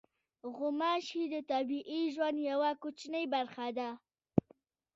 غوماشې د طبیعي ژوند یوه کوچنۍ برخه ده.